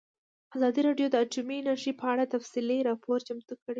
ازادي راډیو د اټومي انرژي په اړه تفصیلي راپور چمتو کړی.